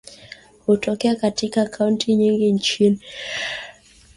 Hutokea katika kaunti nyingi nchini